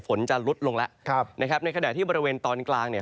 ฝนจะลุดลงแล้วในขณะที่บริเวณตอนกลางเนี่ย